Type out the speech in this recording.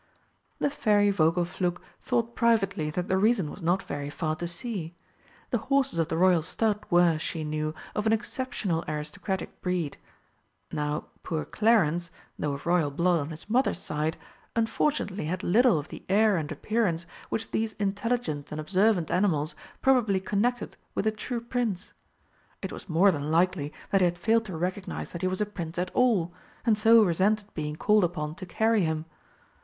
The Fairy Vogelflug thought privately that the reason was not very far to see. The horses of the Royal stud were, she knew, of an exceptional aristocratic breed. Now poor Clarence, though of Royal blood on his mother's side, unfortunately had little of the air and appearance which these intelligent and observant animals probably connected with a true Prince. It was more than likely that they had failed to recognise that he was a Prince at all, and so resented being called upon to carry him.